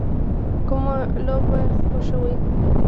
کومه لوبه خوښوئ؟